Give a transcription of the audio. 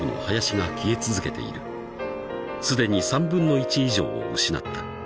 ［すでに３分の１以上を失った］